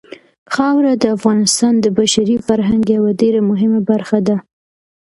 خاوره د افغانستان د بشري فرهنګ یوه ډېره مهمه برخه ده.